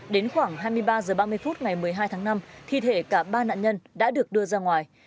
đến khoảng hai mươi ba h ba mươi phút ngày một mươi hai tháng năm thi thể cả ba nạn nhân đã được đưa ra ngoài